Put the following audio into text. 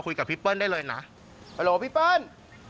พี่เปิ้ลได้เลยนะฮัลโหลพี่เปิ้ล